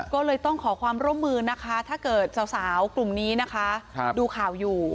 ก็เลยต้องขอความร่วมมือนะคะถ้าเกิดสาวกลุ่มนี้นะคะดูข่าวอยู่